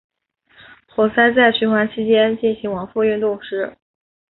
活塞在循环期间进行往复运动时。